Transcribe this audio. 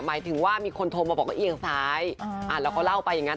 หมายถึงว่ามีคนโทรมาบอกว่าเอียงซ้ายเราก็เล่าไปอย่างนั้น